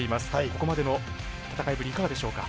ここまでの戦いぶりいかがでしょうか？